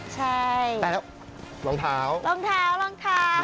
ใช่แต่รองเท้ารองเท้ารองเท้า